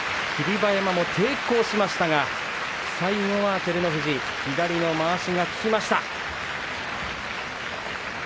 馬山も抵抗しましたが最後は照ノ富士の左のまわしが効きました。